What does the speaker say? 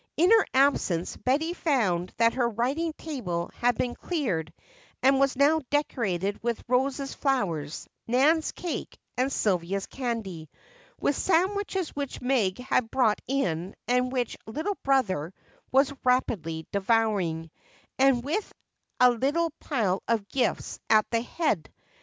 In her absence Betty found that her writing table had been cleared and was now decorated with Rose's flowers, Nan's cake and Sylvia's candy, with sandwiches which Meg had just brought in and which "Little Brother" was rapidly devouring, and with a little pile of gifts at the head.